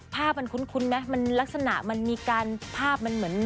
ภาพมันคุ้นไหมมันลักษณะมันมีการภาพมันเหมือน